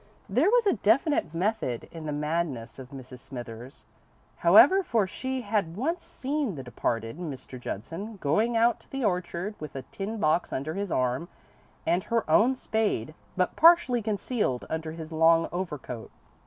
There was definite method in the madness of Mrs. Smithers, however, for she had once seen the departed Mr. Judson going out to the orchard with a tin box under his arm and her own spade but partially concealed under his long overcoat.